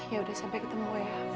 ya udah sampai ketemu ya